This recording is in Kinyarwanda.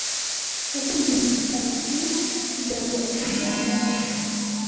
yihinduye umusazi kugira ngo akize amagara ye